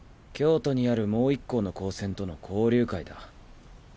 京都にあるもう一校の高専との交流会だ。